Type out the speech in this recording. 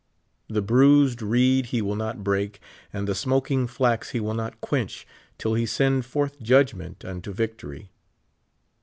The bruised reed he will not break, and the smoking flax lie will not quench till he send forth judgment unto victojy.